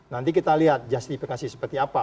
nanti kita lihat justifikasi seperti apa